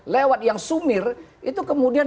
lewat yang sumir itu kemudian